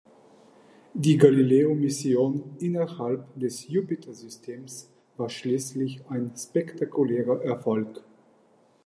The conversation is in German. Die Galileo-Mission innerhalb des Jupiter-Systems war schließlich ein spektakulärer Erfolg.